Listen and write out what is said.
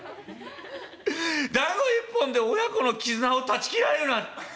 だんご１本で親子の絆を断ち切られるなんて。